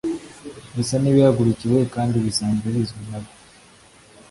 bisa n'ibihagurukiwe kandi bisanzwe bizwinabo